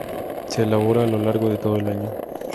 Se elabora a lo largo de todo el año.